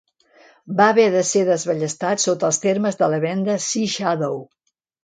Va haver de ser desballestat sota els termes de la venda "Sea Shadow".